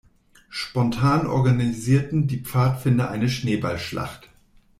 Spontan organisierten die Pfadfinder eine Schneeballschlacht.